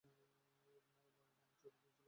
লোখান্দে, আমার ছুটির দিন ছিল।